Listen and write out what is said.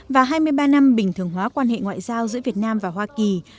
và hai mươi ba năm bình thường hóa quan hệ ngoại giao giữa việt nam và hoa kỳ